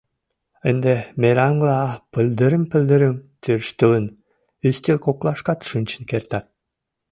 — Ынде, мераҥла пыльдырым-пыльдырым тӧрштылын, ӱстел коклашкат шинчын кертат...